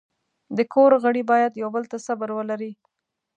د کور غړي باید یو بل ته صبر ولري.